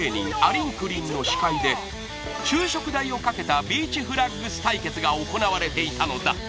りんくりんの司会で昼食代をかけたビーチフラッグス対決が行われていたのだ